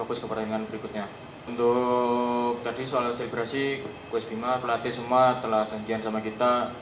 untuk tadi soal selebrasi kosbima pelatih semua telah tanggian sama kita